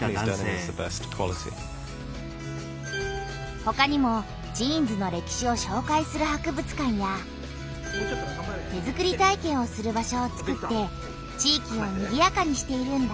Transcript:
ほかにもジーンズの歴史をしょうかいする博物館や手作り体験をする場所をつくって地域をにぎやかにしているんだ。